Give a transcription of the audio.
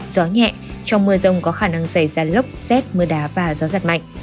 gió nhẹ trong mưa rông có khả năng xảy ra lốc xét mưa đá và gió giật mạnh